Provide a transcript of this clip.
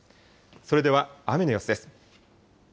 それでは雨の様子です。